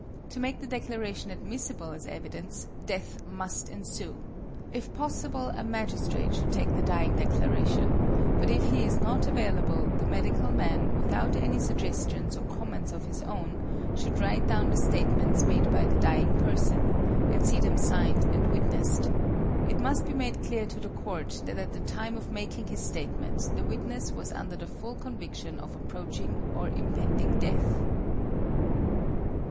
To make the declaration admissible as evidence, death must ensue. If possible, a magistrate should take the dying declaration; but if he is not available, the medical man, without any suggestions or comments of his own, should write down the statements made by the dying person, and see them signed and witnessed. It must be made clear to the court that at the time of making his statement the witness was under the full conviction of approaching or impending death.